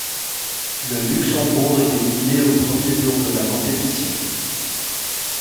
Le Luxembourg est éliminé au premier tour de la compétition.